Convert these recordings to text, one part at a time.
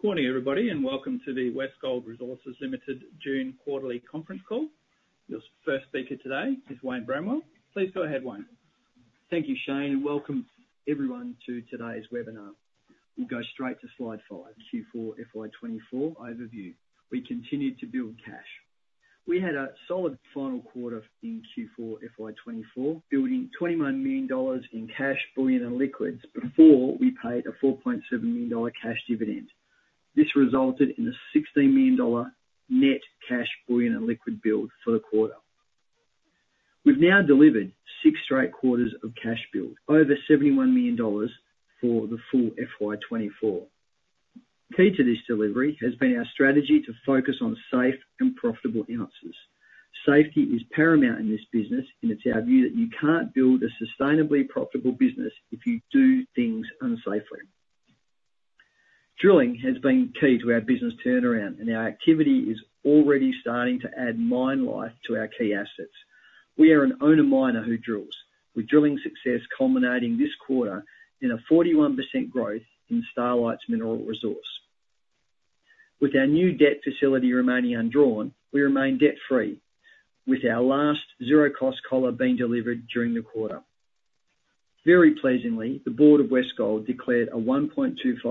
Good morning, everybody, and welcome to the Westgold Resources Limited June Quarterly Conference Call. Your first speaker today is Wayne Bramwell. Please go ahead, Wayne. Thank you, Shane, and welcome everyone to today's webinar. We'll go straight to slide 5, Q4 FY 2024 overview. We continue to build cash. We had a solid final quarter in Q4 FY 2024, building 21 million dollars in cash bullion and liquidity before we paid a 4.7 million dollar cash dividend. This resulted in a 16 million dollar net cash bullion and liquidity build for the quarter. We've now delivered 6 straight quarters of cash build, over 71 million dollars for the full FY 2024. Key to this delivery has been our strategy to focus on safe and profitable operations. Safety is paramount in this business, and it's our view that you can't build a sustainably profitable business if you do things unsafely. Drilling has been key to our business turnaround, and our activity is already starting to add mine life to our key assets. We are an owner miner who drills, with drilling success culminating this quarter in a 41% growth in Starlight's mineral resource. With our new debt facility remaining undrawn, we remain debt-free, with our last zero-cost collar being delivered during the quarter. Very pleasingly, the board of Westgold declared a 0.0125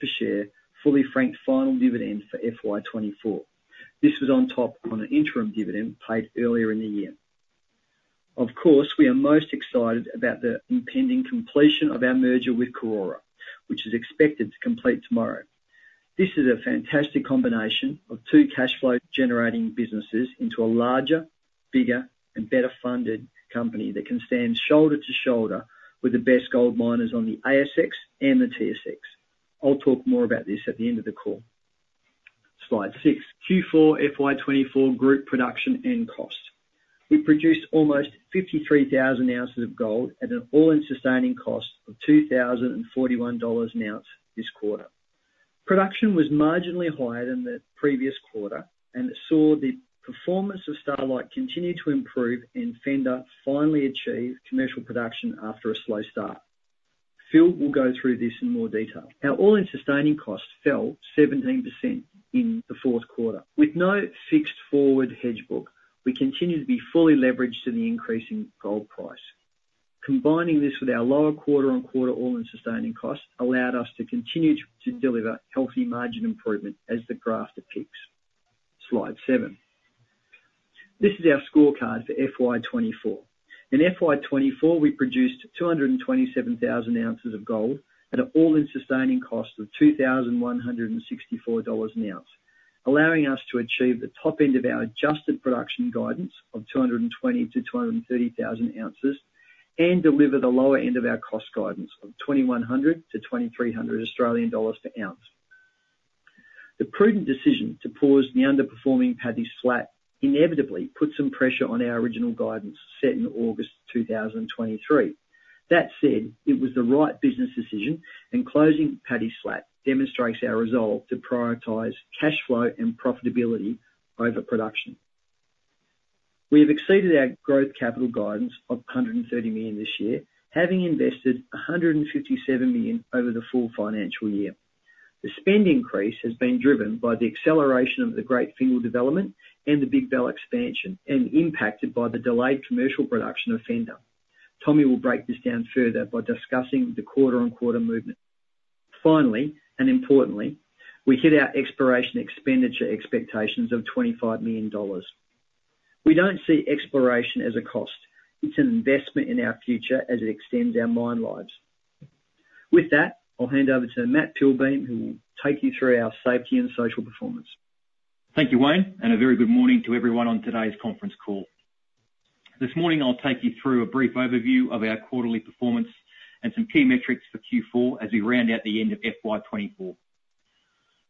per share fully franked final dividend for FY 2024. This was on top of an interim dividend paid earlier in the year. Of course, we are most excited about the impending completion of our merger with Karora, which is expected to complete tomorrow. This is a fantastic combination of two cash flow-generating businesses into a larger, bigger, and better funded company that can stand shoulder to shoulder with the best gold miners on the ASX and the TSX. I'll talk more about this at the end of the call. Slide six, Q4 FY 2024 group production and cost. We produced almost 53,000 oz of gold at an All-in Sustaining Cost of $2,041 an ounce this quarter. Production was marginally higher than the previous quarter, and it saw the performance of Starlight continue to improve and Fender finally achieve commercial production after a slow start. Phil will go through this in more detail. Our All-in Sustaining Cost fell 17% in the fourth quarter. With no fixed forward hedge book, we continue to be fully leveraged to the increasing gold price. Combining this with our lower quarter-on-quarter All-in Sustaining Cost allowed us to continue to deliver healthy margin improvement as the graph depicts. Slide seven. This is our scorecard for FY 2024. In FY 2024, we produced 227,000 oz of gold at an all-in sustaining cost of 2,164 dollars an ounce, allowing us to achieve the top end of our adjusted production guidance of 220,000-230,000 oz and deliver the lower end of our cost guidance of 2,100-2,300 Australian dollars per ounce. The prudent decision to pause the underperforming Paddy's Flat inevitably put some pressure on our original guidance set in August 2023. That said, it was the right business decision, and closing Paddy's Flat demonstrates our resolve to prioritize cash flow and profitability over production. We have exceeded our growth capital guidance of 130 million this year, having invested 157 million over the full financial year. The spend increase has been driven by the acceleration of the Great Fingall development and the Big Bell expansion and impacted by the delayed commercial production of Fender. Tommy will break this down further by discussing the quarter-on-quarter movement. Finally, and importantly, we hit our exploration expenditure expectations of 25 million dollars. We don't see exploration as a cost. It's an investment in our future as it extends our mine lives. With that, I'll hand over to Matt Pilbeam, who will take you through our safety and social performance. Thank you, Wayne, and a very good morning to everyone on today's conference call. This morning, I'll take you through a brief overview of our quarterly performance and some key metrics for Q4 as we round out the end of FY 2024.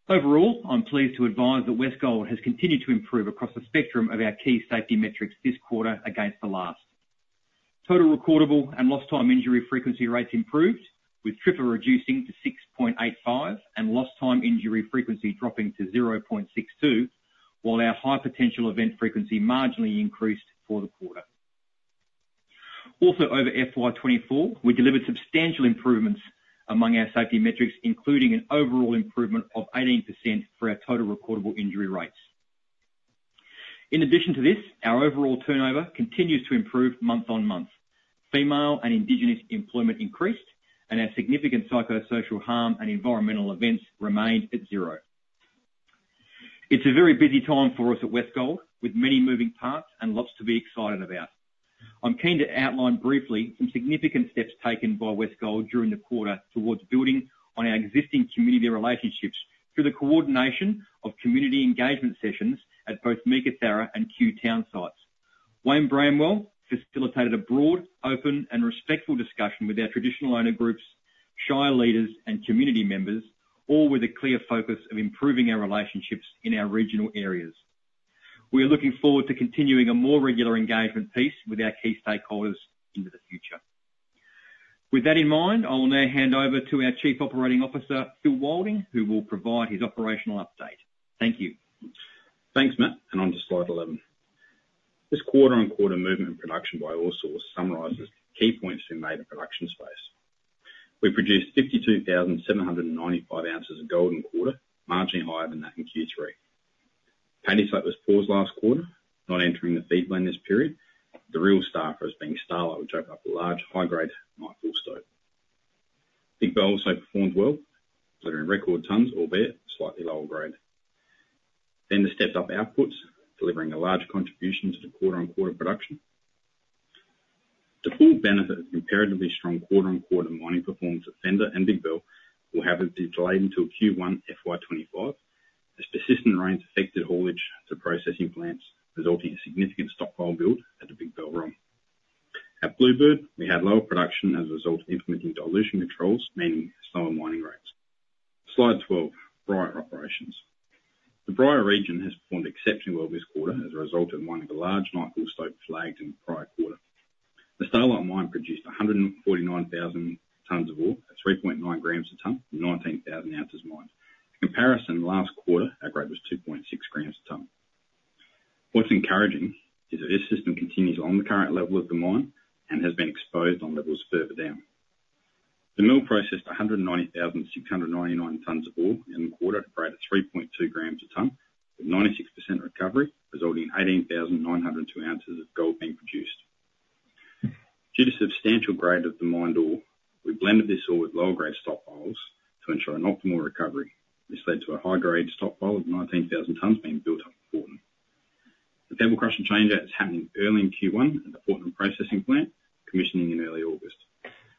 Overall, I'm pleased to advise that Westgold has continued to improve across the spectrum of our key safety metrics this quarter against the last. Total recordable and lost-time injury frequency rates improved, with TRIFR reducing to 6.85 and lost-time injury frequency dropping to 0.62, while our high-potential-event frequency marginally increased for the quarter. Also, over FY 2024, we delivered substantial improvements among our safety metrics, including an overall improvement of 18% for our total recordable injury rates. In addition to this, our overall turnover continues to improve month-on-month. Female and Indigenous employment increased, and our significant psychosocial harm and environmental events remained at zero. It's a very busy time for us at Westgold, with many moving parts and lots to be excited about. I'm keen to outline briefly some significant steps taken by Westgold during the quarter towards building on our existing community relationships through the coordination of community engagement sessions at both Meekatharra and Cue sites. Wayne Bramwell facilitated a broad, open, and respectful discussion with our Traditional Owner groups, shire leaders, and community members, all with a clear focus of improving our relationships in our regional areas. We are looking forward to continuing a more regular engagement piece with our key stakeholders into the future. With that in mind, I will now hand over to our Chief Operating Officer, Phil Wilding, who will provide his operational update. Thank you. Thanks, Matt, and on to slide 11. This quarter-on-quarter movement in production by ore source summarizes key points we made in production space. We produced 52,795 ounces of gold in quarter, marginally higher than that in Q3. Paddy's Flat was paused last quarter, not entering the feed lane this period. The real star for us being Starlight, which opened up a large high-grade Nightfall lode. Big Bell also performed well, delivering record tons, albeit slightly lower grade. Fender stepped up outputs, delivering a large contribution to the quarter-on-quarter production. The full benefit of comparatively strong quarter-on-quarter mining performance of Fender and Big Bell will have it delayed until Q1 FY 2025, as persistent rains affected haulage to processing plants, resulting in significant stockpile build at the Big Bell ROM. At Bluebird, we had lower production as a result of implementing dilution controls, meaning slower mining rates. Slide 12, Bryah operations. The Bryah region has performed exceptionally well this quarter as a result of mining a large Nightfall lode flagged in the prior quarter. The Starlight mine produced 149,000 tons of ore, 3.9 g a ton, and 19,000 oz mined. For comparison, last quarter, our grade was 2.6 g a ton. What's encouraging is that this system continues on the current level of the mine and has been exposed on levels further down. The mill processed 190,699 tons of ore in the quarter at a grade of 3.2 g a ton, with 96% recovery, resulting in 18,902 oz of gold being produced. Due to substantial grade of the mined ore, we blended this ore with lower-grade stockpiles to ensure an optimal recovery. This led to a high-grade stockpile of 19,000 tons being built up in Fortnum. The pebble crushing changeout is happening early in Q1 at the Fortnum processing plant, commissioning in early August.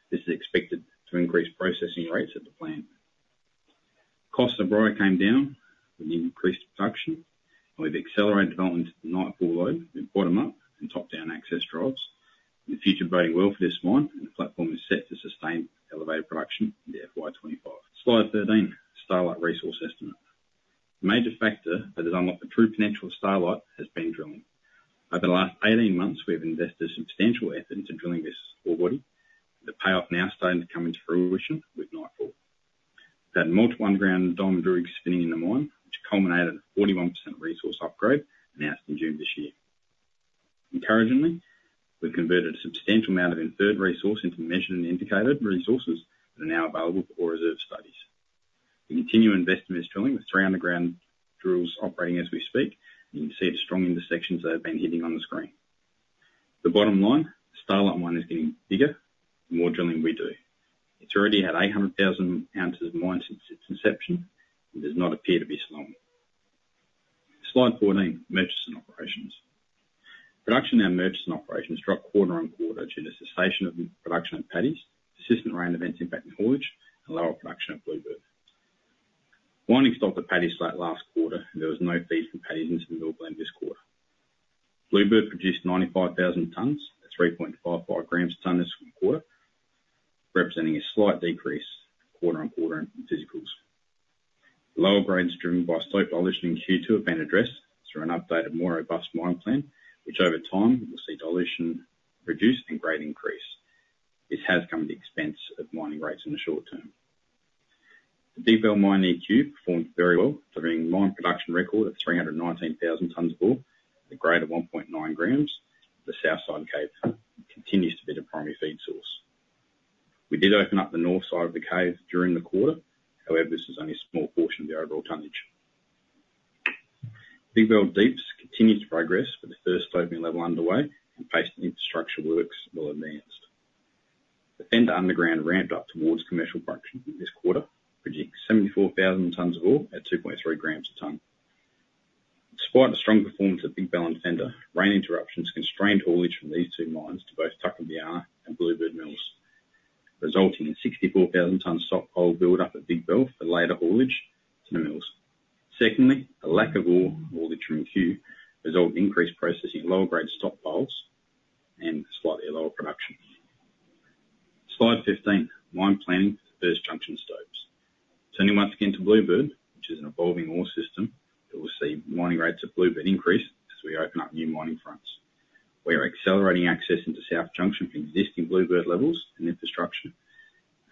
This is expected to increase processing rates at the plant. Costs at Bryah came down with the increased production, and we've accelerated development to the Nightfall lode with bottom-up and top-down access drives. The future is looking well for this mine, and the platform is set to sustain elevated production in FY 2025. Slide 13, Starlight resource estimate. The major factor that has unlocked the true potential of Starlight has been drilling. Over the last 18 months, we have invested substantial effort into drilling this ore body. The payoff now starting to come into fruition with Nightfall. We've had multiple underground diamond rigs spinning in the mine, which culminated in a 41% resource upgrade announced in June this year. Encouragingly, we've converted a substantial amount of inferred resource into measured and indicated resources that are now available for ore reserve studies. We continue investing in this drilling with three underground drills operating as we speak, and you can see the strong intersections that have been hitting on the screen. The bottom line, the Starlight mine is getting bigger the more drilling we do. It's already had 800,000 oz mined since its inception, and it does not appear to be slowing. Slide 14, Meekatharra operations. Production at Meekatharra operations dropped quarter-over-quarter due to cessation of production at Paddy's Flat, persistent rain events impacting haulage, and lower production at Bluebird. Mining stopped at Paddy's Flat last quarter, and there was no feed from Paddy's Flat into the mill blend this quarter. Bluebird produced 95,000 tons, 3.55 g a ton this quarter, representing a slight decrease quarter-over-quarter in physicals. Lower grades driven by stope dilution in Q2 have been addressed through an updated, more robust mine plan, which over time will see dilution reduced and grade increase. This has come at the expense of mining rates in the short term. The Big Bell mine near Cue performed very well, delivering a mine production record of 319,000 tons of ore, a grade of 1.9 g. The south side cave continues to be the primary feed source. We did open up the north side of the cave during the quarter; however, this was only a small portion of the overall tonnage. Big Bell Deeps continues to progress with the first opening level underway, and basic infrastructure works well advanced. The Fender underground ramped up towards commercial production this quarter, producing 74,000 tons of ore at 2.3 g a ton. Despite the strong performance of Big Bell and Fender, rain interruptions constrained haulage from these two mines to both Tuckabianna and Bluebird mills, resulting in 64,000 tons stockpile build-up at Big Bell for later haulage to the mills. Secondly, a lack of ore haulage from Cue resulted in increased processing of lower-grade stockpiles and slightly lower production. Slide 15, mine planning for the South Junction stopes. Turning once again to Bluebird, which is an evolving ore system, we'll see mining rates at Bluebird increase as we open up new mining fronts. We are accelerating access into South Junction from existing Bluebird levels and infrastructure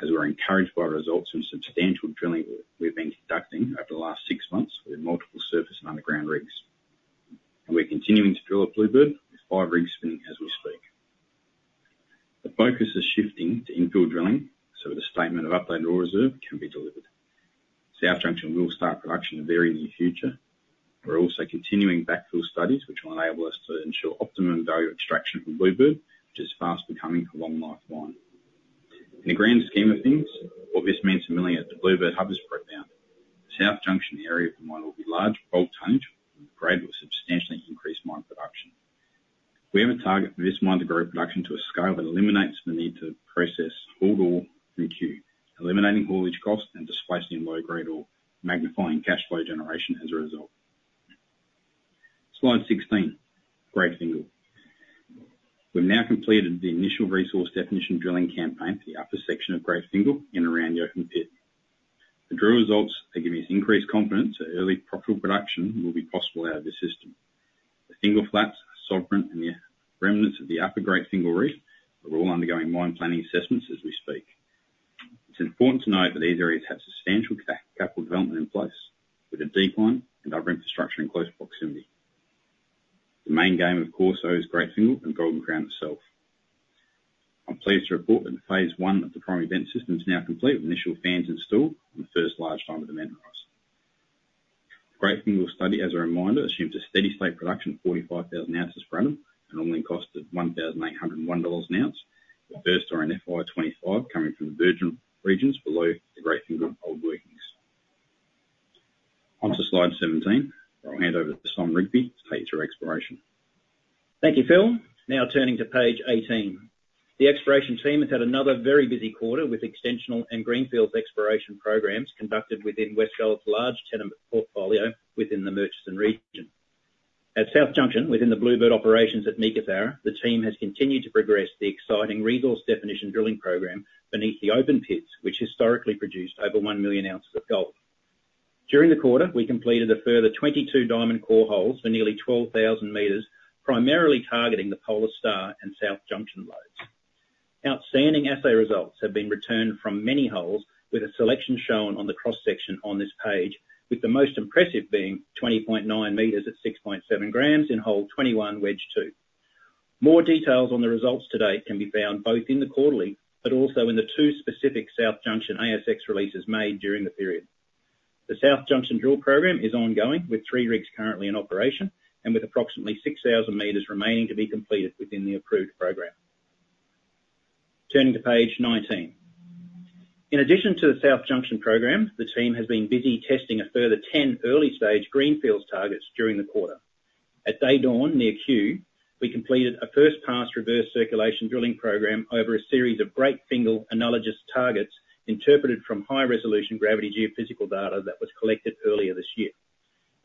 as we're encouraged by results from substantial drilling we've been conducting over the last six months with multiple surface and underground rigs. We're continuing to drill at Bluebird with five rigs spinning as we speak. The focus is shifting to infill drilling so that a statement of updated ore reserve can be delivered. South Junction will start production in the very near future. We're also continuing backfill studies, which will enable us to ensure optimum value extraction from Bluebird, which is fast becoming a long-life mine. In a grand scheme of things, what this means for milling at the Bluebird hub is broken out. The South Junction area of the mine will be large, bulk tonnage, with a grade that will substantially increase mine production. We have a target for this mine to grow production to a scale that eliminates the need to process hauled ore from Q, eliminating haulage cost and displacing low-grade ore, magnifying cash flow generation as a result. Slide 16, Great Fingall. We've now completed the initial resource definition drilling campaign for the upper section of Great Fingall and around the open pit. The drill results are giving us increased confidence that early profitable production will be possible out of this system. The Fingall Flats, Sovereign, and the remnants of the upper Great Fingall reef are all undergoing mine planning assessments as we speak. It's important to note that these areas have substantial capital development in place, with a decline in other infrastructure in close proximity. The main game, of course, is Great Fingall and Golden Crown itself. I'm pleased to report that phase one of the primary vent system is now complete with initial fans installed and the first large line of the vent rise. Great Fingall study, as a reminder, assumes a steady state production of 45,000 oz per annum and normally costs AUD 1,801 an ounce, with first-time FY 2025 coming from the virgin regions below the Great Fingall old workings. Onto slide 17, where I'll hand over to Simon Rigby to take us through exploration. Thank you, Phil. Now turning to page 18. The exploration team has had another very busy quarter with extensional and greenfields exploration programs conducted within Westgold's large tenement portfolio within the Murchison region. At South Junction, within the Bluebird operations at Meekatharra, the team has continued to progress the exciting resource definition drilling program beneath the open pits, which historically produced over 1 million ounces of gold. During the quarter, we completed a further 22 diamond core holes for nearly 12,000 m, primarily targeting the Polar Star and South Junction lodes. Outstanding assay results have been returned from many holes, with a selection shown on the cross-section on this page, with the most impressive being 20.9 m at 6.7 g in hole 21, wedge 2. More details on the results to date can be found both in the quarterly, but also in the two specific South Junction ASX releases made during the period. The South Junction drill program is ongoing, with three rigs currently in operation and with approximately 6,000 m remaining to be completed within the approved program. Turning to page 19. In addition to the South Junction program, the team has been busy testing a further 10 early-stage greenfield targets during the quarter. At Day Dawn near Cue, we completed a first-pass reverse circulation drilling program over a series of Great Fingall analogous targets interpreted from high-resolution gravity geophysical data that was collected earlier this year.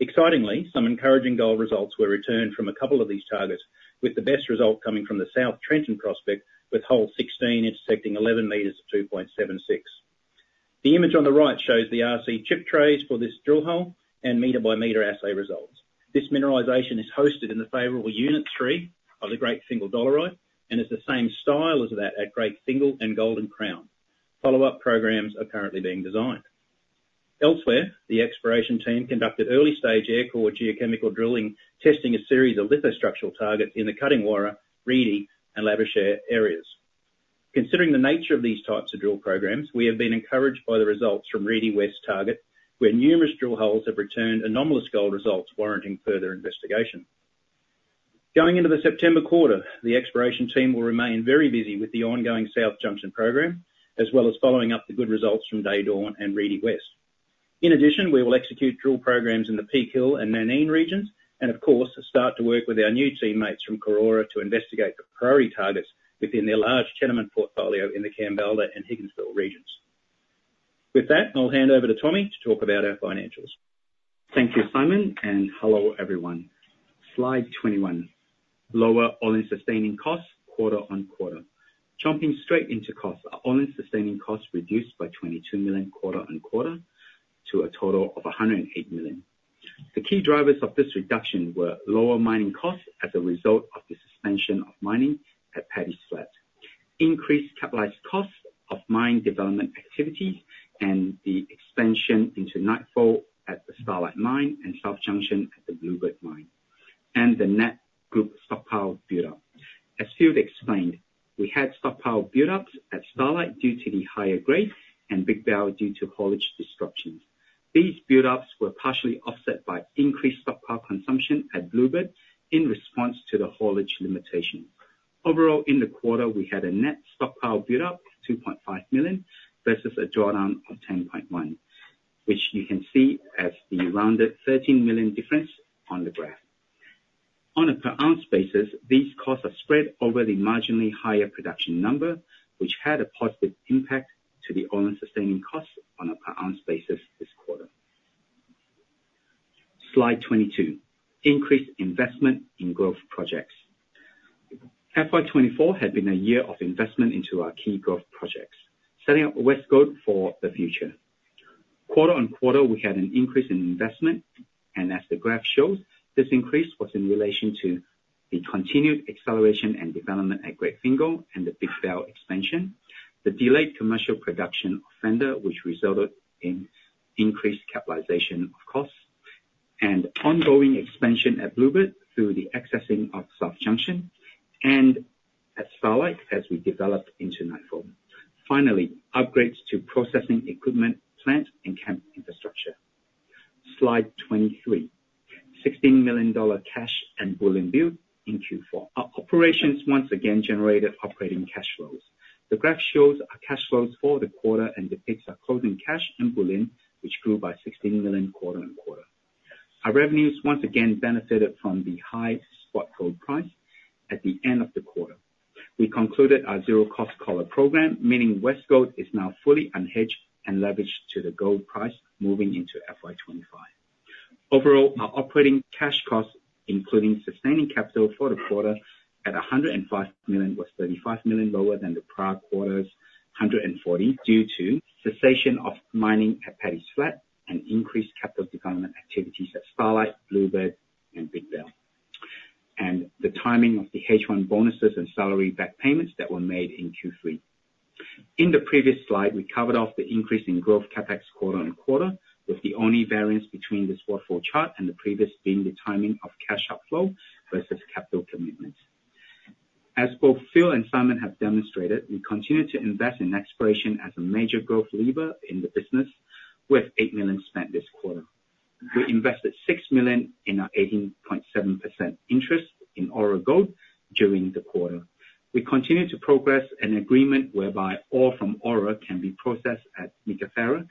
Excitingly, some encouraging gold results were returned from a couple of these targets, with the best result coming from the South Trenton prospect, with hole 16 intersecting 11 m at 2.76. The image on the right shows the RC chip trays for this drill hole and meter-by-meter assay results. This mineralization is hosted in the favorable unit 3 of the Great Fingall Dolerite and is the same style as that at Great Fingall and Golden Crown. Follow-up programs are currently being designed. Elsewhere, the exploration team conducted early-stage aircore geochemical drilling, testing a series of lithostructural targets in the Cuddingwarra, Reedy, and Labouchere areas. Considering the nature of these types of drill programs, we have been encouraged by the results from Reedy West targets, where numerous drill holes have returned anomalous gold results warranting further investigation. Going into the September quarter, the exploration team will remain very busy with the ongoing South Junction program, as well as following up the good results from Day Dawn and Reedy West. In addition, we will execute drill programs in the Peak Hill and Nanine regions, and of course, start to work with our new teammates from Karora to investigate the priority targets within their large tenement portfolio in the Kambalda and Higginsville regions. With that, I'll hand over to Tommy to talk about our financials. Thank you, Simon, and hello everyone. Slide 21, lower all-in sustaining costs quarter-on-quarter. Jumping straight into costs, our all-in sustaining costs reduced by 22 million quarter-on-quarter to a total of 108 million. The key drivers of this reduction were lower mining costs as a result of the suspension of mining at Paddy's Flat, increased capitalized costs of mine development activities, and the expansion into Nightfall at the Starlight mine and South Junction at the Bluebird mine, and the net group stockpile build-up. As Phil explained, we had stockpile build-ups at Starlight due to the higher grade and Big Bell due to haulage disruptions. These build-ups were partially offset by increased stockpile consumption at Bluebird in response to the haulage limitation. Overall, in the quarter, we had a net stockpile build-up of 2.5 million versus a drawdown of 10.1 million, which you can see as the rounded 13 million difference on the graph. On a per ounce basis, these costs are spread over the marginally higher production number, which had a positive impact to the all-in sustaining costs on a per ounce basis this quarter. Slide 22, increased investment in growth projects. FY 2024 had been a year of investment into our key growth projects, setting up Westgold for the future. quarter-on-quarter, we had an increase in investment, and as the graph shows, this increase was in relation to the continued acceleration and development at Great Fingall and the Big Bell expansion, the delayed commercial production of Fender, which resulted in increased capitalization of costs, and ongoing expansion at Bluebird through the accessing of South Junction and at Starlight as we developed into Nightfall. Finally, upgrades to processing equipment plant and camp infrastructure. Slide 23, 16 million dollar cash and bullion build in Q4. Our operations once again generated operating cash flows. The graph shows our cash flows for the quarter and depicts our closing cash and bullion, which grew by 16 million quarter-on-quarter. Our revenues once again benefited from the high spot gold price at the end of the quarter. We concluded our zero-cost collar program, meaning Westgold is now fully unhedged and leveraged to the gold price moving into FY 2025. Overall, our operating cash costs, including sustaining capital for the quarter at 105 million, was 35 million lower than the prior quarter's 140 million due to cessation of mining at Paddy's Flat and increased capital development activities at Starlight, Bluebird, and Big Bell, and the timing of the H1 bonuses and salary back payments that were made in Q3. In the previous slide, we covered off the increase in growth CapEx quarter-on-quarter, with the only variance between the waterfall chart and the previous being the timing of cash outflow versus capital commitments. As both Phil and Simon have demonstrated, we continue to invest in exploration as a major growth lever in the business, with 8 million spent this quarter. We invested 6 million in our 18.7% interest in Ora Gold during the quarter. We continue to progress an agreement whereby ore from Ora can be processed at Meekatharra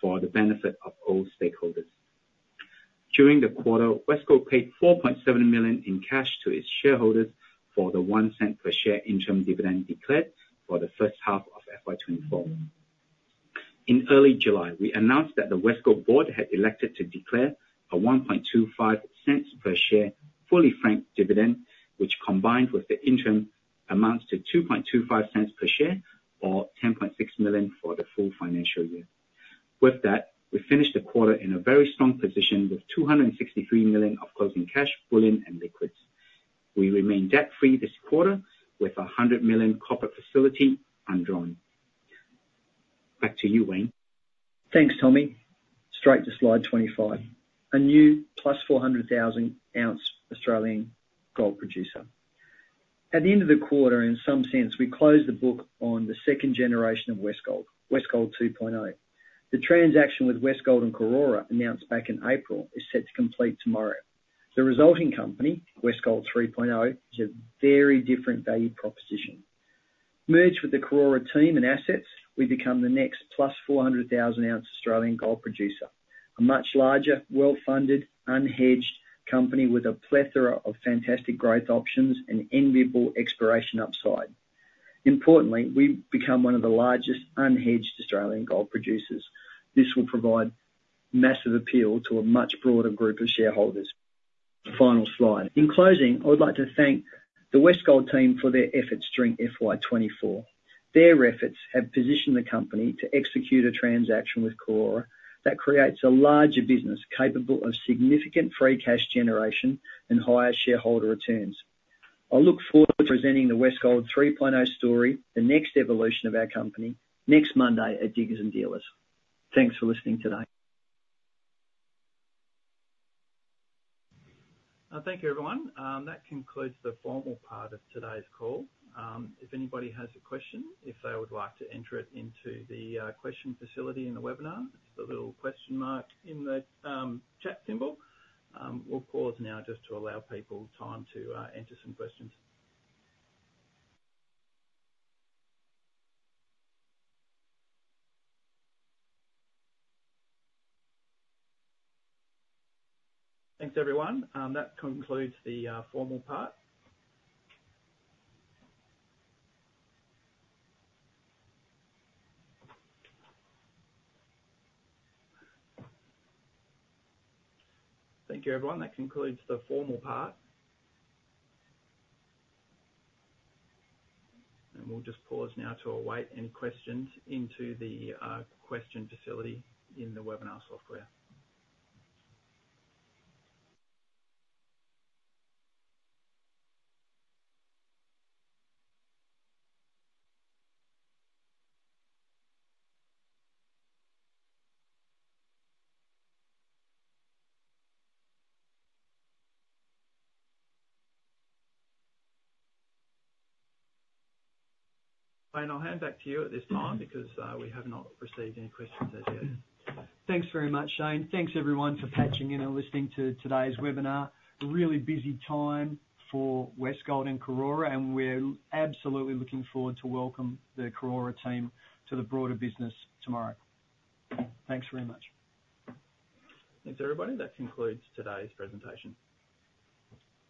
for the benefit of all stakeholders. During the quarter, Westgold paid 4.7 million in cash to its shareholders for the 0.01 per share interim dividend declared for the first half of FY 2024. In early July, we announced that the Westgold board had elected to declare a 0.0125 per share fully franked dividend, which combined with the interim amounts to 0.0225 per share or 10.6 million for the full financial year. With that, we finished the quarter in a very strong position with 263 million of closing cash, bullion and liquids. We remain debt-free this quarter with a 100 million corporate facility undrawn. Back to you, Wayne. Thanks, Tommy. Straight to slide 25, a new +400,000 oz Australian gold producer. At the end of the quarter, in some sense, we closed the book on the second generation of Westgold, Westgold 2.0. The transaction with Westgold and Karora announced back in April is set to complete tomorrow. The resulting company, Westgold 3.0, is a very different value proposition. Merged with the Karora team and assets, we become the next +400,000 oz Australian gold producer, a much larger, well-funded, unhedged company with a plethora of fantastic growth options and enviable exploration upside. Importantly, we become one of the largest unhedged Australian gold producers. This will provide massive appeal to a much broader group of shareholders. Final slide. In closing, I would like to thank the Westgold team for their efforts during FY 2024. Their efforts have positioned the company to execute a transaction with Karora that creates a larger business capable of significant free cash generation and higher shareholder returns. I look forward to presenting the Westgold 3.0 story, the next evolution of our company, next Monday at Diggers and Dealers. Thanks for listening today. Thank you, everyone. That concludes the formal part of today's call. If anybody has a question, if they would like to enter it into the question facility in the webinar, it's the little question mark in the chat symbol. We'll pause now just to allow people time to enter some questions. Thanks, everyone. That concludes the formal part. Thank you, everyone. That concludes the formal part. We'll just pause now to await any questions into the question facility in the webinar software. Shane, I'll hand back to you at this time because we have not received any questions as yet. Thanks very much, Shane. Thanks, everyone, for patching in and listening to today's webinar. Really busy time for Westgold and Karora, and we're absolutely looking forward to welcome the Karora team to the broader business tomorrow. Thanks very much. Thanks, everybody. That concludes today's presentation.